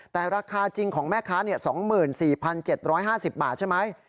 แต่ราคาจริงของแม่ค้า๒๔๗๕๐บาทใช่ไหม